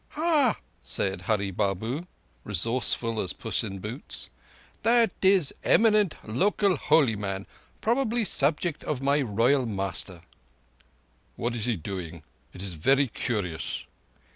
"Ha!" said Hurree Babu, resourceful as Puss in Boots. "That is eminent local holy man. Probably subject of my royal master." "What is he doing? It is very curious."